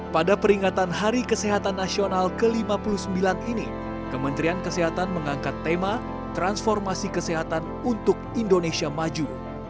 pada peringatan hari kesehatan nasional ke lima puluh sembilan ini kementerian kesehatan mengangkat tema transformasi kesehatan untuk indonesia maju